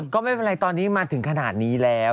ก็ไม่เป็นไรตอนนี้มาถึงขนาดนี้แล้ว